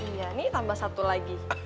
iya ini tambah satu lagi